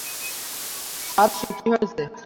সার্সি, কী হয়েছে?